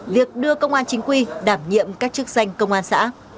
việc đưa công an chính quy đảm nhiệm các chức danh công an xã